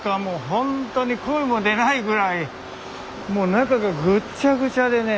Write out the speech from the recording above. ホントに声も出ないぐらいもう中がぐっちゃぐちゃでね。